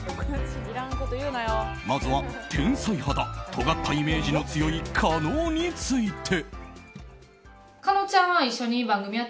まずは天才肌とがったイメージの強い加納について。